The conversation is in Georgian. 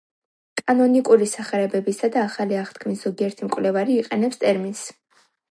კანონიკური სახარებებისა და ახალი აღთქმის ზოგიერთი მკვლევარი იყენებს ტერმინს